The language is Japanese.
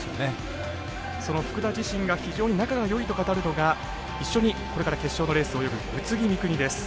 その福田自身が非常に仲がよいと語るのが一緒にこれから決勝のレース泳ぐ宇津木美都です。